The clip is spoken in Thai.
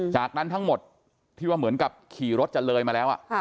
จากนั้นทั้งหมดที่ว่าเหมือนกับขี่รถจะเลยมาแล้ว